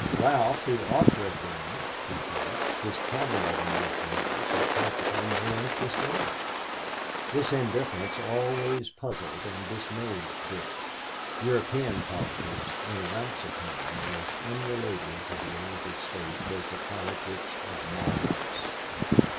Ralph, who ought to have been, he felt, his comrade in these matters, had practically no interest in them. This indifference always puzzled and dismayed Dick. European politics, in Ralph's opinion, were as unrelated to the United States as the politics of Mars.